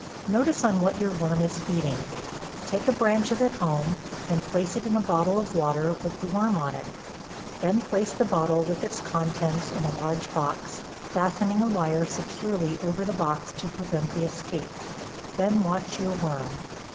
Notice on what your worm is feeding; take a branch of it home and place it in a bottle of water with the worm on it; then place the bottle with its contents in a large box, fastening a wire securely over the box, to prevent the escape; then watch your worm.